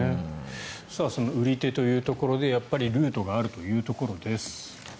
売り手というところでルートがあるというところです。